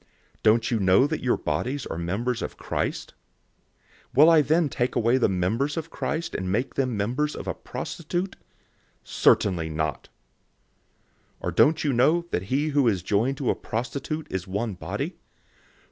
006:015 Don't you know that your bodies are members of Christ? Shall I then take the members of Christ, and make them members of a prostitute? May it never be! 006:016 Or don't you know that he who is joined to a prostitute is one body?